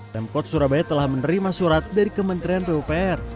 pemkot surabaya telah menerima surat dari kementerian pupr